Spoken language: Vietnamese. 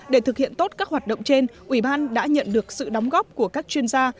để thực hiện tốt các hoạt động trên ủy ban đã nhận được sự đóng góp của các chuyên gia